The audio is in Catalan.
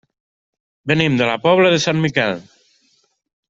Venim de la Pobla de Sant Miquel.